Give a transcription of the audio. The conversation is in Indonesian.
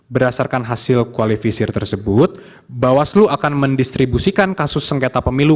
berdasarkan hasil kualifisir tersebut bawaslu akan mendistribusikan kasus sengketa pemilu